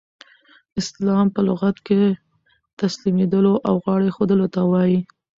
اسلام په لغت کښي تسلیمېدلو او غاړه ایښودلو ته وايي.